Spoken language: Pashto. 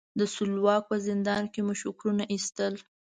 د سلواک په زندان مو شکرونه ایستل.